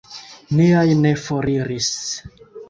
Niaj ne foriris.